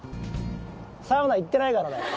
サウナ行ってないからだよ。